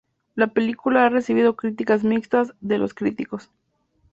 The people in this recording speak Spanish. La película ha recibido críticas mixtas de los críticos.